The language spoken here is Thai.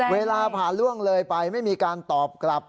เวลาผ่านล่วงเลยไปไม่มีการตอบกลับ